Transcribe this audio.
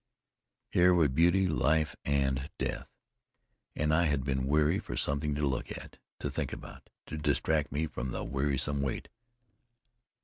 Here were beauty, life and death; and I had been weary for something to look at, to think about, to distract me from the wearisome wait!